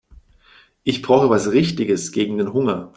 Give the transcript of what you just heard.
Ich brauche was Richtiges gegen den Hunger.